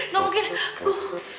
gak mungkin aduh